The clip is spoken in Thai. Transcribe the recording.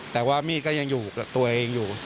แต่ว่ามีดก็ยังอยู่กับตัวเองอยู่